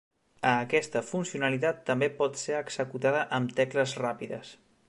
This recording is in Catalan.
A aquesta funcionalitat també pot ser executada amb tecles ràpides.